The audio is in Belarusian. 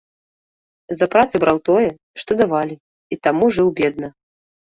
За працы браў тое, што давалі, і таму жыў бедна.